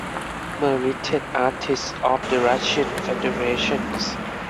Merited Artist of the Russian Federation.